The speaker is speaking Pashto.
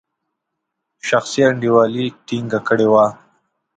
شخصي انډیوالي ټینګه کړې وه.